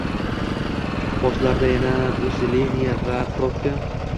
Postlarda Yana "usilenie" Yana "proʙka"